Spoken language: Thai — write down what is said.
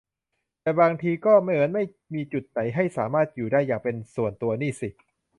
แต่บางทีก็เหมือนไม่มีจุดไหนให้สามารถอยู่ได้อย่างเป็นส่วนตัวนี่สิ